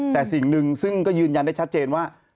แต่สิ่งหนึ่งซึ่งก็ยืนยันได้ชัดเจนว่า